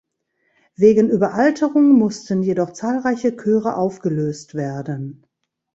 Wegen Überalterung mussten jedoch zahlreiche Chöre aufgelöst werden.